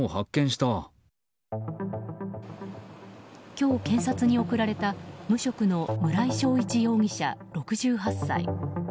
今日、検察に送られた無職の村井正一容疑者、６８歳。